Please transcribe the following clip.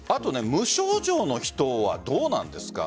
無症状の人はどうなんですか？